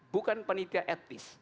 bukan panitia etnis